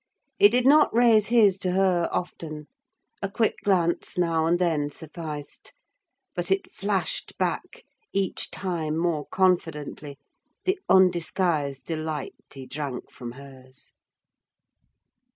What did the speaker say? He did not raise his to her often: a quick glance now and then sufficed; but it flashed back, each time more confidently, the undisguised delight he drank from hers.